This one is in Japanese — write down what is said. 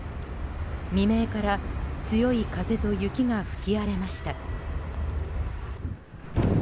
未明から強い風と雪が吹き荒れました。